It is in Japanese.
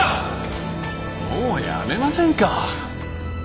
もうやめませんか？